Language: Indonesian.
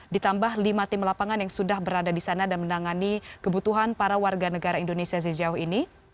ditambah lima tim lapangan yang sudah berada di sana dan menangani kebutuhan para warga negara indonesia sejauh ini